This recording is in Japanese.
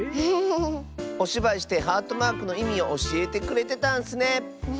おしばいしてハートマークのいみをおしえてくれてたんスね。